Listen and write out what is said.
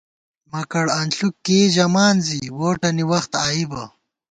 مکَڑ انݪُک کېئی ژِمان زی ووٹَنی وخت آئی بہ